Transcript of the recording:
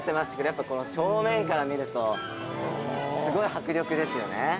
やっぱり正面から見るとすごい迫力ですよね。